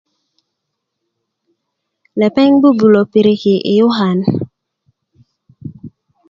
lepeŋ bubulö piriki yi yukan